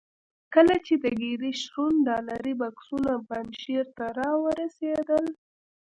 کله چې د ګیري شرون ډالري بکسونه پنجشیر ته را ورسېدل.